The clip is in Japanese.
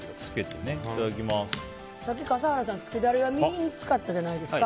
さっき笠原さん、漬けダレはみりん使ったじゃないですか。